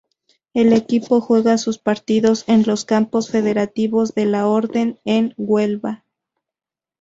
El equipo juega sus partidos en los campos federativos de La Orden, en Huelva.